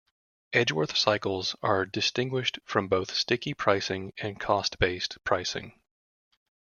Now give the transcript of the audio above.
Edgeworth cycles are distinguished from both sticky pricing and cost-based pricing.